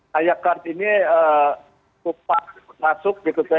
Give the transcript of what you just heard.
hayakkart ini memasuki pejabat seberak sekolah untuk realem perhubungan